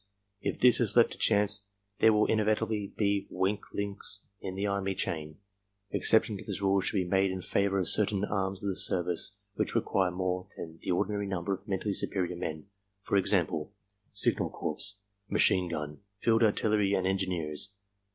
If this is le^ to chance there will inevitably be "weak links'' in the army chain. Exception to this rule should be made in favor of certain arms of the service which require more than the ordinary number of mentally superior men; for example. Signal Corps, Machine Gun, Field Artillery and Engineers.